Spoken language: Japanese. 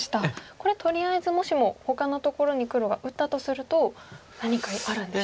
これとりあえずもしもほかのところに黒が打ったとすると何かあるんでしょうか。